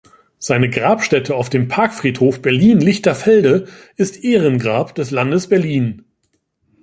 Seine Grabstätte auf dem Parkfriedhof Berlin-Lichterfelde ist Ehrengrab des Landes Berlin.